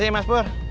makasih mas pur